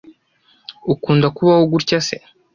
Ukunda kubaho gutya se?